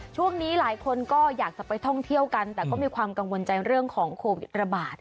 ช่วงนี้หลายคนก็อยากจะไปท่องเที่ยวกันแต่ก็มีความกังวลใจเรื่องของโควิดระบาด